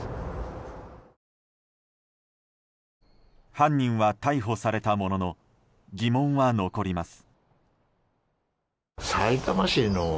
犯人は逮捕されたものの疑問は残ります。